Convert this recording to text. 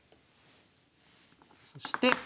そして。